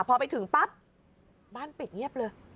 พอไปถึงปั๊บบ้านปิดเงียบเลย